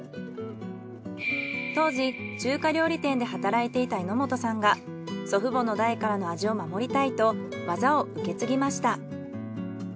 当時中華料理店で働いていた榎本さんが祖父母の代からの味を守りたいと技を受け継ぎました。